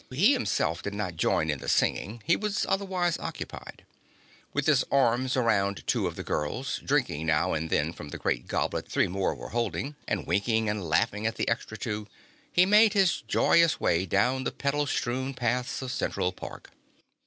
He himself did not join in the singing; he was otherwise occupied. With his arms around two of the girls, drinking now and then from the great goblet three more were holding, and winking and laughing at the extra two, he made his joyous way down the petal strewn paths of Central Park.